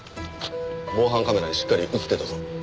防犯カメラにしっかり映ってたぞ。